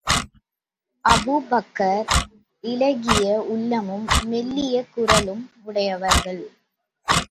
Abu Bakr இளகிய உள்ளமும், மெல்லிய குரலும் உடையவர்கள்.